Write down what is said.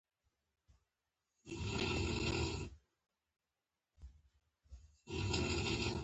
د کار په ویش کې مهم ټکي دا دي.